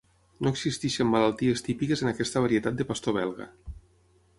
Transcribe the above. No existeixen malalties típiques en aquesta varietat de pastor belga.